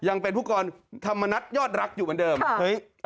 ยังเป็นผู้กรธรรมนัฐยอดรักอยู่เหมือนเดิมเฮ้ย